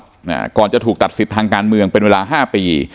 อ่าก่อนจะถูกตัดสิทธิ์ทางการเมืองเป็นเวลาห้าปี